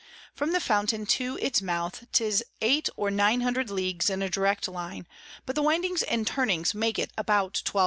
From the Fountain to its Mouth 'tis 8 or 900 Leagues in a direct Line, but the Windings and Turnings make it about 1200.